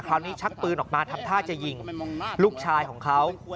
ชักปืนออกมาทำท่าจะยิงลูกชายของเขา